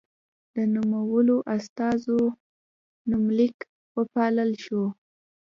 د نومولو استازو نومليک وپايلل شو.